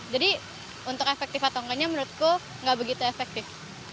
jadi untuk efektif atau nggaknya menurutku nggak begitu efektif